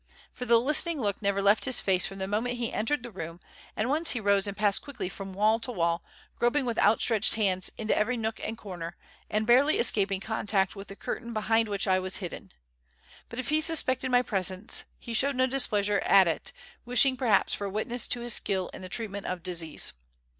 For the listening look never left his face from the moment he entered the room, and once he rose and passed quickly from wall to wall, groping with out stretched hands into every nook and corner, and barely escaping contact with the curtain behind which I was hidden. But if he suspected my presence, he showed no displeasure at it, wishing perhaps for a witness to his skill in the treatment of disease.